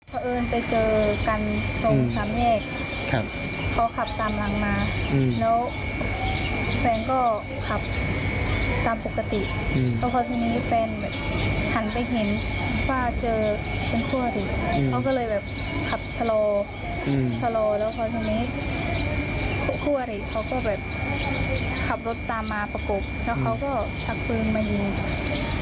ขับรถตามมาประกบแล้วเขาก็ชักปืนมายิง